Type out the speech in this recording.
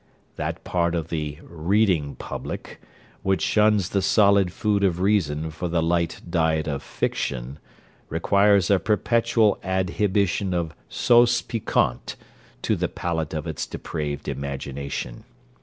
That part of the reading public which shuns the solid food of reason for the light diet of fiction, requires a perpetual adhibition of sauce piquante to the palate of its depraved imagination.